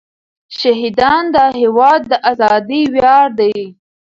شهیدان د هېواد د ازادۍ ویاړ دی.